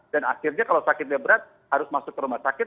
dan akhirnya kalau sakitnya berat harus masuk ke rumah sakit